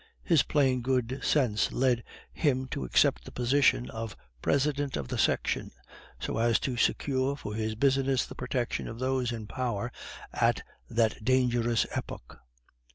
His plain good sense led him to accept the position of President of the Section, so as to secure for his business the protection of those in power at that dangerous epoch.